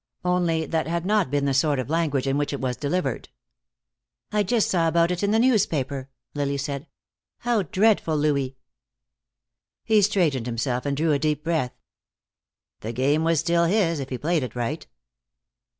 Only that had not been the sort of language in which it was delivered. "I just saw about it in the newspaper," Lily said. "How dreadful, Louis." He straightened himself and drew a deep breath. The game was still his, if he played it right.